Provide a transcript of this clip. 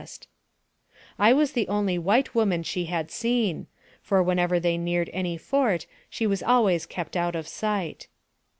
140 NARRATIVE OF CAPTIVITY I was the only white woman she had seen, for when ever they n eared any fort she was always kept out of sight.